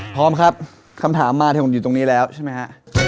พร้อมครับคำถามมาถึงอยู่ตรงนี้แล้วใช่มั้ยฮะ